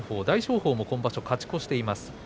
大翔鵬も今場所勝ち越しています。